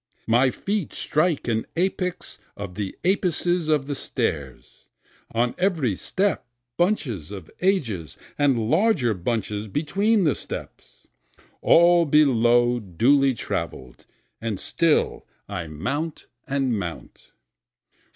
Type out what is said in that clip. My feet strike an apex of the apices of the stairs, On every step bunches of ages, and larger bunches between the steps, All below duly travel'd, and still I mount and mount.